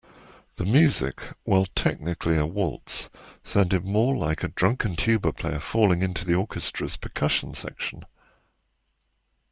The music, while technically a waltz, sounded more like a drunken tuba player falling into the orchestra's percussion section.